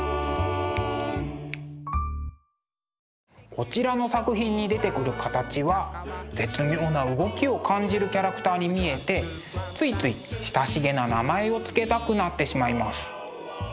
こちらの作品に出てくる形は絶妙な動きを感じるキャラクターに見えてついつい親しげな名前を付けたくなってしまいます。